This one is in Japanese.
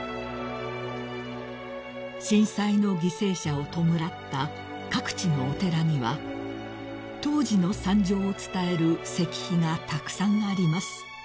［震災の犠牲者を弔った各地のお寺には当時の惨状を伝える石碑がたくさんあります］